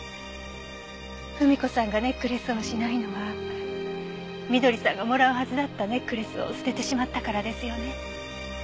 ふみ子さんがネックレスをしないのは翠さんがもらうはずだったネックレスを捨ててしまったからですよね？